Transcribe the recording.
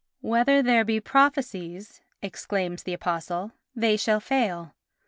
"Whether there be prophecies," exclaims the Apostle, "they shall fail."